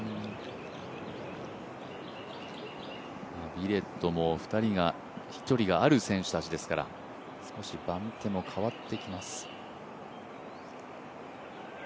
ウィレットも２人が飛距離がある選手たちですから少し番手も変わってきます。